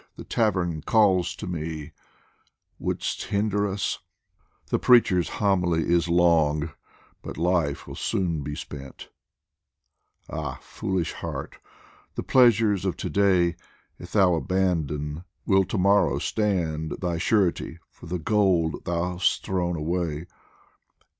the tavern calls to me ! Would'st hinder us ? The preacher's homily Is long, but life will soon be spent ! Ah, foolish Heart ! the pleasures of To day, If thou abandon, will To morrow stand Thy surety for the gold thou'st thrown away